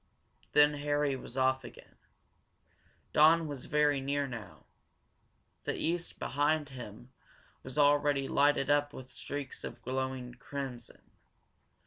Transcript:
Then Harry was off again. Dawn was very near now. The east, behind him, was already lighted up with streaks of glowing crimson.